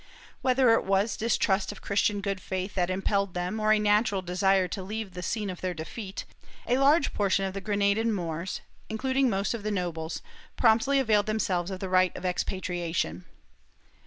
Whether it was distrust of Christian good faith that impelled them, or a natural desire to leave the scene of their defeat, a large portion of the Granadan Moors, including most of the nobles, promptly availed themselves of the right of expatriation.